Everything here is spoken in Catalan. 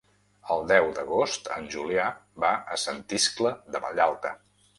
El deu d'agost en Julià va a Sant Iscle de Vallalta.